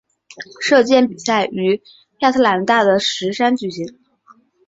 射箭比赛于亚特兰大的石山举行。